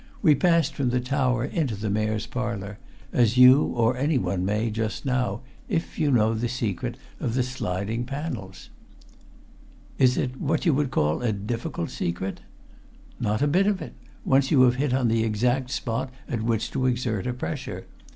We passed from the tower into the Mayor's Parlour as you or anyone may, just now, if you know the secret of the sliding panels." "Is it what you would call a difficult secret?" "Not a bit of it once you have hit on the exact spot at which to exert a pressure.